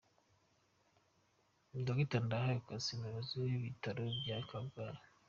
Dr Ndahayo Cassien Umuyobozi w’Ibitaro by’i Kabgayi.